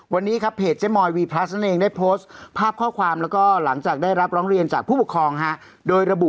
มันกำลังจะจับเปลี่ยนอยู่ถูกต้องไหม